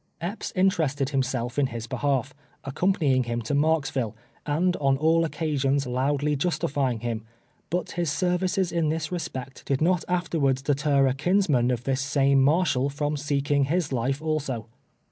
Epps interested himself in his behalf, accompany ing him to Marksville, and on all occasions loudly justifying him, but his services in this respect did not afterwards deter a kinsman of this same Marshall from seeking his life also.